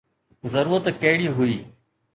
ضرورت ڪهڙي هئي؟